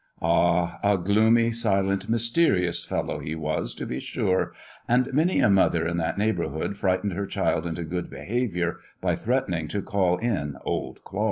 Ah, a gloomy, silent, mysterious fellow he was, to be sure; and many a mother in that neighborhood frightened her child into good behavior by threatening to call in Old Claus.